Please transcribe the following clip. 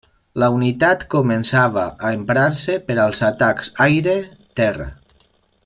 La unitat començava a emprar-se per als atacs aire-terra.